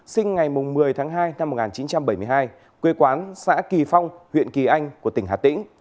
sinh ngày một mươi tháng hai năm một nghìn chín trăm bảy mươi hai quê quán xã kỳ phong huyện kỳ anh của tỉnh hà tĩnh